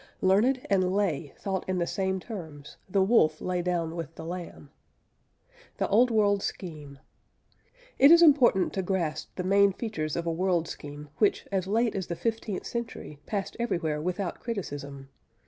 Learned and lay thought in the same terms; the wolf lay down with the lamb. THE OLD WORLD SCHEME. It is important to grasp the main features of a world scheme which as late as the fifteenth century passed everywhere without criticism.